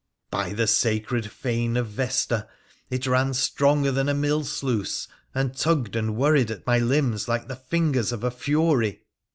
By the sacred fane of Vesta, it ran stronger than a mill sluice, and tugged and worried at my limbs like the fingers of a fury